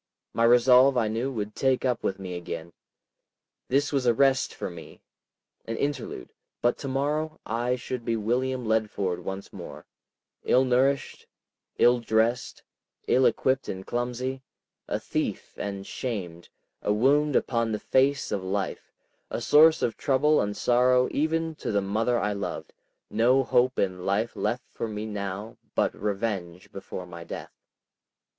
My resolve I knew would take up with me again. This was a rest for me, an interlude, but to morrow I should be William Leadford once more, ill nourished, ill dressed, ill equipped and clumsy, a thief and shamed, a wound upon the face of life, a source of trouble and sorrow even to the mother I loved; no hope in life left for me now but revenge before my death.